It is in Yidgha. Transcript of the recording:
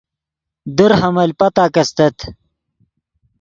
در حمل پتاک استت